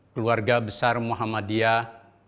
keluarga besar muhammadiyah